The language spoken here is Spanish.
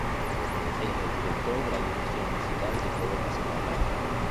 Es el director de la agrupación musical de joropo Cimarrón.